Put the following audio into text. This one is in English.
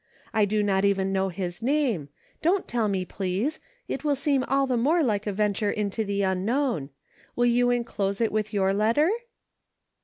I do not even know his name ; don't tell me, please, it will seem all the more like a venture into the un known. Will you enclose it with your letter